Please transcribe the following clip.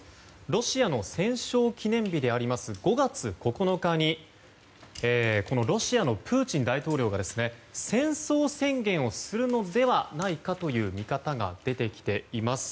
ロシアの戦勝記念日である５月９日にロシアのプーチン大統領が戦争宣言をするのではないかという見方が出てきています。